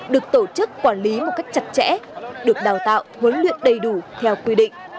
được tổ chức quản lý một cách chặt chẽ được đào tạo huấn luyện đầy đủ theo quy định